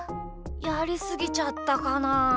やりすぎちゃったかな？